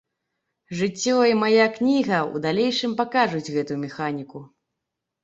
Жыццё і мая кніга ў далейшым пакажуць гэту механіку.